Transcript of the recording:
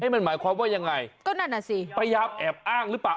มันหมายความว่ายังไงก็นั่นอ่ะสิพยายามแอบอ้างหรือเปล่า